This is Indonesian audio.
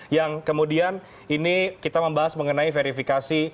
yang kemudian ini kita membahas mengenai verifikasi